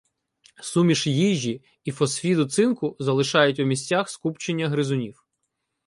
Суміш їжі і фосфіду цинку залишають у місцях скупчення гризунів.